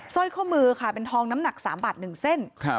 สร้อยข้อมือค่ะเป็นทองน้ำหนัก๓บาท๑เส้น